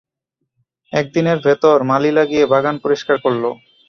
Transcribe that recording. এক দিনের ভেতর মালী লাগিয়ে বাগান পরিষ্কার করল।